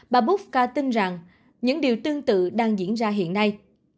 bà bufka tin rằng những điều tương tự đang diễn ra hiện nay